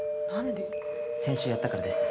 先週やったからです。